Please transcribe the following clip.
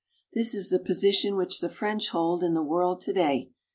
This is the position which the French hold in the world to day.